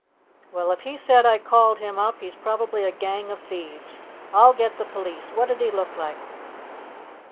"Well, if he said I called him up, he's probably a gang of thieves. I'll get the police. What did he look like?"